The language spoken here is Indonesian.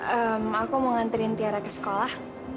ehm aku mau nganterin tiara ke sekolah